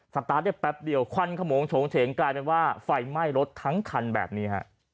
ตาร์ทได้แป๊บเดียวควันขโมงโฉงเฉงกลายเป็นว่าไฟไหม้รถทั้งคันแบบนี้ฮะ